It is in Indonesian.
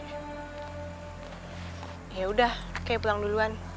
ya udah kayak pulang duluan